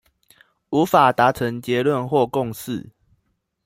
無法達成結論或共識